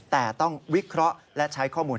แต่ต้องวิเคราะห์และใช้ข้อมูล